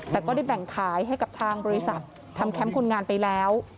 แต่ก็ได้แบ่งขายให้กับทางบริษัททำแคมป์คนงานไปแล้ว